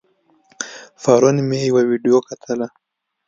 پرون مې يوه ويډيو کتله